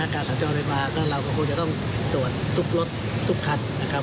การสังเจ้าใดมาเราก็คงจะต้องตรวจทุกรถทุกคัน